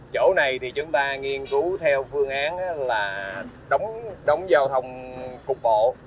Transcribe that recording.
chỗ này thì chúng ta nghiên cứu theo phương án là đóng giao thông cục bộ